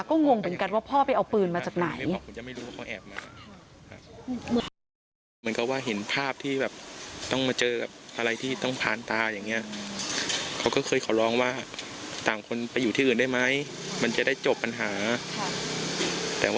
ก็งงเหมือนกันว่าพ่อไปเอาปืนมาจากไหน